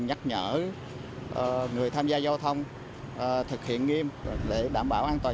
nhắc nhở người tham gia giao thông thực hiện nghiêm để đảm bảo an toàn